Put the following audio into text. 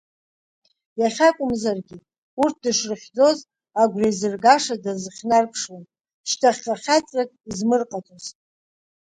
Иахьакәымзаргьы, урҭ дышрыхьӡоз агәра изыргашаз дазхьнарԥшуан, шьҭахьҟа хьаҵрак измырҟаҵоз.